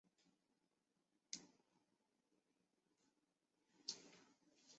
金色世纪足球俱乐部是土库曼斯坦阿什哈巴德足球俱乐部。